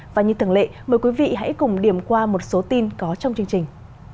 và như thường lệ mời quý vị hãy cùng điểm qua một số tin có trong chương trình